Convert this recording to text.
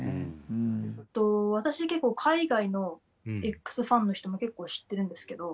私結構海外のＸファンの人も結構知ってるんですけど。